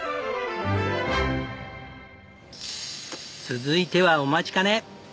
続いてはお待ちかね！